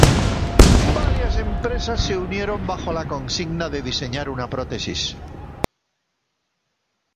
Varias empresas se unieron bajo la consigna de diseñar una prótesis.